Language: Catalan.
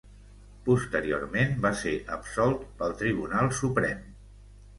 Posteriorment va ser absolt pel tribunal Suprem.